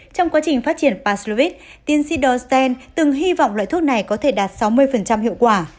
trong quá trình phát triển paslovit tiên sĩ donstein từng hy vọng loại thuốc này có thể đạt sáu mươi hiệu quả